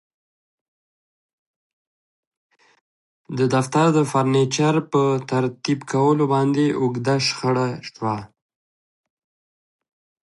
د دفتر د فرنیچر په ترتیب کولو باندې اوږده شخړه شوه